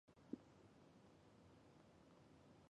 这五等封爵并不属于明朝建立后的正式封爵体系。